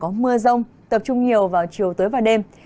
có mưa rông tập trung nhiều vào chiều tối và đêm